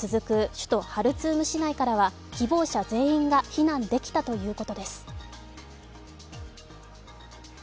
首都ハルツーム市内からは希望者全員が避難できたということです。